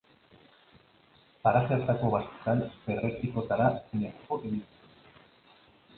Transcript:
Paraje hartako basoetan perritxotara jende asko ibiltzen da.